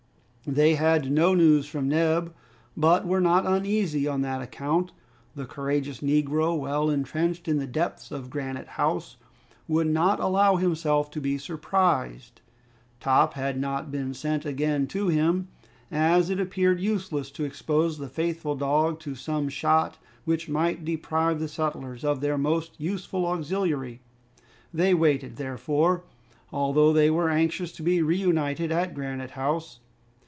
They had no news from Neb, but were not uneasy on that account. The courageous Negro, well entrenched in the depths of Granite House, would not allow himself to be surprised. Top had not been sent again to him, as it appeared useless to expose the faithful dog to some shot which might deprive the settlers of their most useful auxiliary. They waited, therefore, although they were anxious to be reunited at Granite House.